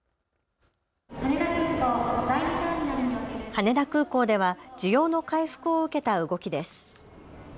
羽田空港では需要の回復を受けた動きです。